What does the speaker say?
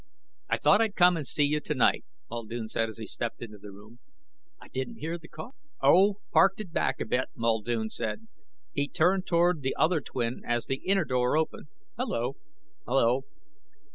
"I thought I'd come and see you tonight," Muldoon said as he stepped into the room. "I didn't hear the car." "Oh. Parked it back a bit," Muldoon said. He turned toward the other twin as the inner door opened. "Hello." "Hello."